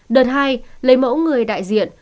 đợt hai lấy mẫu người đại diện